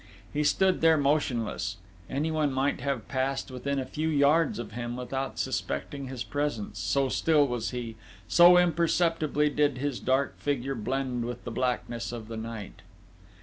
He stood there motionless; anyone might have passed within a few yards of him without suspecting his presence, so still was he, so imperceptibly did his dark figure blend with the blackness of the night.